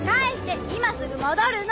今すぐ戻るの！